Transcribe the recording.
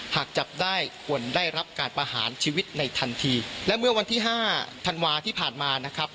หากจับได้ควรได้รับการประหารชีวิตในทันทีและเมื่อวันที่ห้าธันวาที่ผ่านมานะครับ